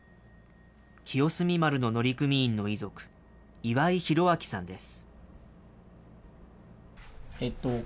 清澄丸の乗組員の遺族、岩井弘明さんです。